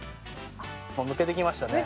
むけてきましたね。